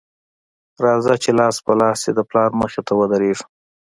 راځه چې لاس په لاس دې د پلار مخې ته ودرېږو